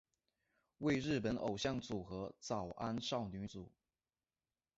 为日本偶像组合早安少女组。